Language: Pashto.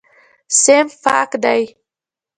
صنف پاک دی.